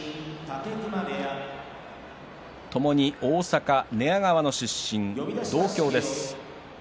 ともに大阪寝屋川の出身、同郷です。